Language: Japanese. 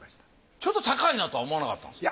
ちょっと高いなとは思わなかったんですか？